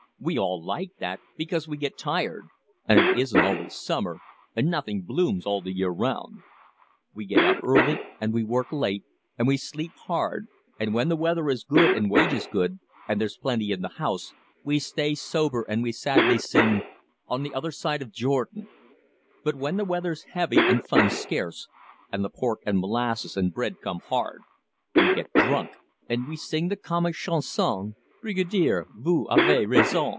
"We all like that, because we get tired, and it isn't always summer, and nothing blooms all the year round. We get up early and we work late, and we sleep hard, and when the weather is good and wages good, and there's plenty in the house, we stay sober and we sadly sing, 'On the other side of Jordan'; but when the weather's heavy and funds scarce, and the pork and molasses and bread come hard, we get drunk, and we sing the comic chanson 'Brigadier, vows avez raison!